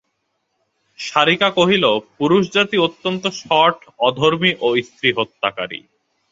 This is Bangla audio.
শারিকা কহিল, পুরুষজাতি অত্যন্ত শঠ, অধর্মী ও স্ত্রীহত্যাকারী।